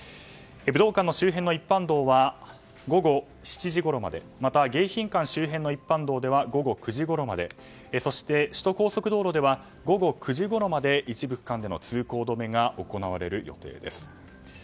武道館の周辺の一般道は午後７時ごろまでまた迎賓館周辺の一般道では午後９時ごろまで首都高速道路では午後９時ごろまで一部区間での通行止めが行われる予定です。